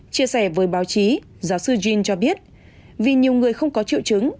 chia sẻ với báo chí giáo sư jean cho biết vì nhiều người không có triệu chứng